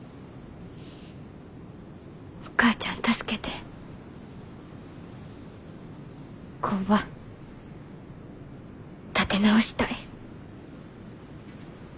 お母ちゃん助けて工場立て直したい。